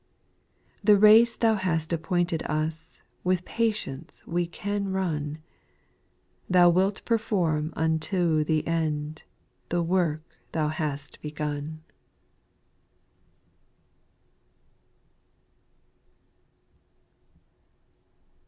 The race Thou hast appointed us, with pa tience we can run, Thou wilt perform unto the end, the work Thou hast begun.